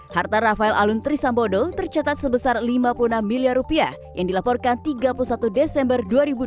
harta rafael alun trisambodo tercatat sebesar lima puluh enam miliar rupiah yang dilaporkan tiga puluh satu desember dua ribu dua puluh